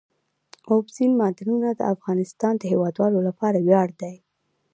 اوبزین معدنونه د افغانستان د هیوادوالو لپاره ویاړ دی.